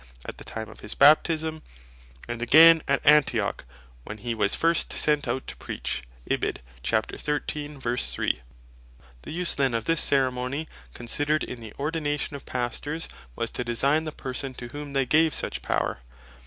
at the time of his Baptisme; and again (Acts 13.3.) at Antioch, when he was first sent out to Preach. The use then of this ceremony considered in the Ordination of Pastors, was to design the Person to whom they gave such Power.